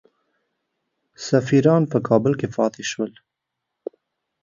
سفیران په کابل کې پاته شول.